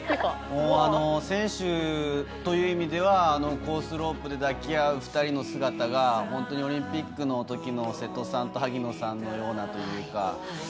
選手という意味ではコースロープで抱き合う２人の姿がオリンピックのときの瀬戸さんと萩野さんのようなというか。